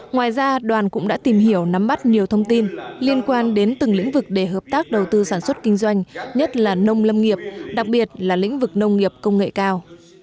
ngoài ra đoàn cũng đã tìm hiểu nắm bắt nhiều thông tin liên quan đến từng lĩnh vực để hợp tác đầu tư sản xuất kinh doanh nhất là nông lâm nghiệp đặc biệt là lĩnh vực nông nghiệp công nghệ cao